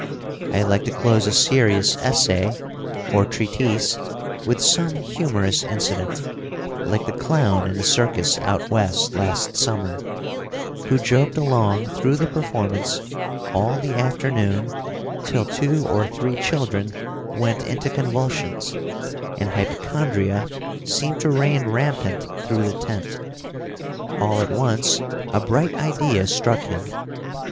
I like to close a serious essay, or treatise, with some humorous incident, like the clown in the circus out West last summer, who joked along through the performance all the afternoon till two or three children went into convulsions, and hypochondria seemed to reign rampant through the tent. All at once a bright idea struck him.